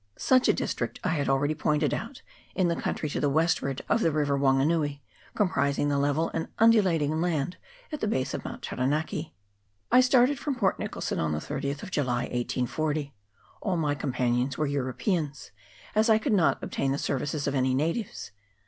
Such a district I had already pointed out in the country to the west ward of the river Wanganui, comprising the level and undulating land at the base of Mount Taranaki. I started from Port Nicholson on the 30th of July, 1840. All my companions were Europeans, as I could not obtain the services of any natives.